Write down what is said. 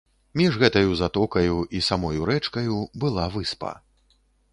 Між гэтаю затокаю і самаю рэчкаю была выспа.